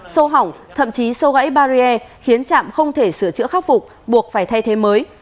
xô hỏng thậm chí sâu gãy barrier khiến trạm không thể sửa chữa khắc phục buộc phải thay thế mới